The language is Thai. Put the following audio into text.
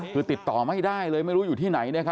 คือติดต่อไม่ได้เลยไม่รู้อยู่ที่ไหนเนี่ยครับ